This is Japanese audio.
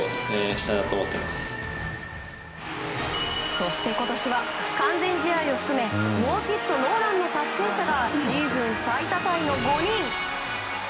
そして今年は完全試合を含めノーヒットノーランの達成者がシーズン最多タイの５人。